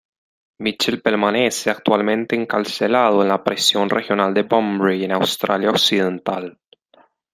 Mitchell permanece actualmente encarcelado en la Prisión Regional de Bunbury en Australia Occidental.